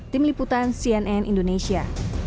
tim liputan cnn indonesia